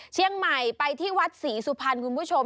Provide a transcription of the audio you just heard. เชียงใหม่ไปที่วัดศรีสุพรรณคุณผู้ชม